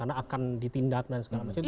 karena akan ditindak dan segala macam